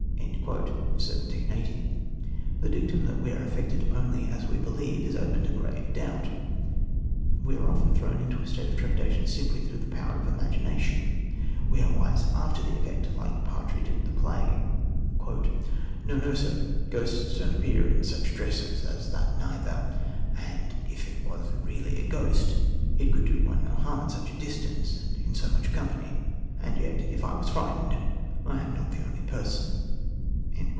(1780.) The dictum that we are affected only as we believe is open to grave doubt. We are often thrown into a state of trepidation simply through the power of the imagination. We are wise after the event, like Partridge at the play: "No, no, sir; ghosts don't appear in such dresses as that neither... And if it was really a ghost, it could do one no harm at such a distance, and in so much company; and yet, if I was frightened, I am not the only person."